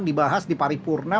dibahas di paripurna